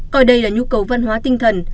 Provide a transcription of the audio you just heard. coi đây là nhu cầu văn hóa tinh thần